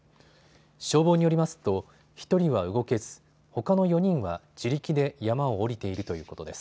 消防によりますと１人は動けずほかの４人は自力で山を下りているということです。